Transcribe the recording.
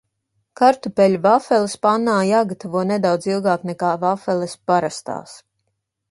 Kartupeļu vafeles pannā jāgatavo nedaudz ilgāk nekā vafeles parastās.